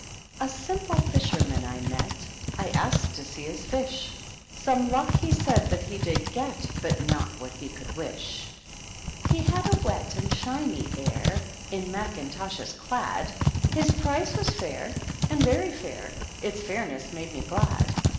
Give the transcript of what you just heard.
A simple fisherman I metj I asked to see his fish ; Some luck he said that he did get^ But not what he could wish. He had a wet and shiny aivy In mackintoshes clad; His price was fair^ and very fair, — Its fairness made me glad.